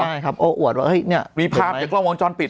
ใช่ครับโอ๋อวดว่ามีภาพจากกล้องวงจรปิด